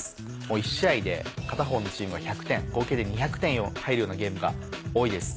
１試合で片方のチームは１００点合計で２００点が入るようなゲームが多いです。